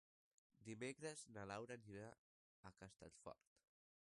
Dimecres na Laura anirà a Castellfort.